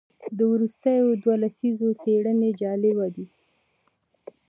د وروستیو دوو لسیزو څېړنې جالبه دي.